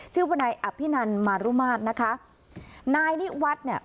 ชื่อบนายอภินันมารุมาตนะคะนายนี่วัดเนี่ย